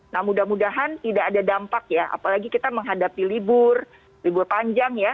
nah mudah mudahan tidak ada dampak ya apalagi kita menghadapi libur libur panjang ya